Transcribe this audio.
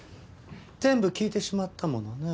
全部聞いてしまったものね。